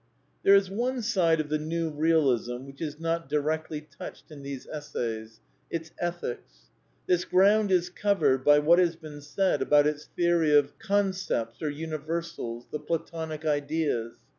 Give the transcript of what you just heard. There is one side of the New Bealism which is not di rectly touched in these essays — its Ethics. This ground is covered by what has been said about its theory of con cepts or " universals "; the " Platonic Ideas."